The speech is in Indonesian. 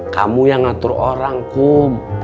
kamu yang ngatur orang kum